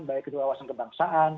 baik itu awasan kebangsaan